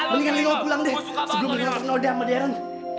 mendingan lino pulang deh sebelum dia ngerenok nodam sama darren